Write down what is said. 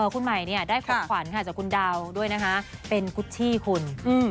คุณใหม่ได้ของขวัญค่ะจากคุณดาวด้วยนะคะเป็นกุชชี่คุณ